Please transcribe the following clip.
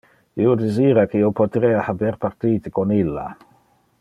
Io desira que io poterea haber partite con illa.